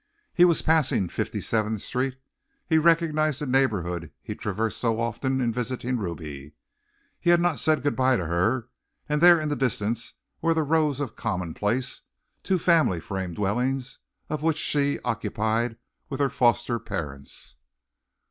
He was passing Fifty seventh Street; he recognized the neighborhood he traversed so often in visiting Ruby. He had not said good bye to her and there in the distance were the rows of commonplace, two family frame dwellings, one of which she occupied with her foster parents.